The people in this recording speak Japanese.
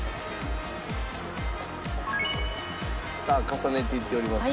さあ重ねていっております。